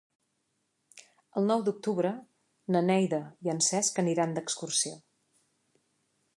El nou d'octubre na Neida i en Cesc aniran d'excursió.